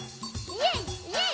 イエイイエイ！